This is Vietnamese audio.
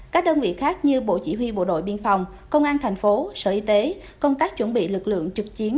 các đơn vị khác như bộ chỉ huy bộ đội biên phòng công an thành phố sở y tế công tác chuẩn bị lực lượng trực chiến